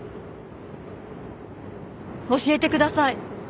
教えてください。